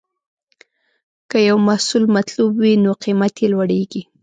که یو محصول مطلوب وي، نو قیمت یې لوړېږي.